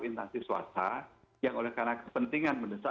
instansi swasta yang oleh karena kepentingan mendesak